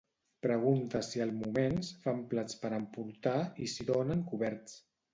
Pregunta si al Moments fan plats per emportar i si donen coberts.